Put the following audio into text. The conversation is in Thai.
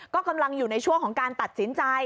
ก็กำลังอยู่ในช่วงของการตัดสินใจ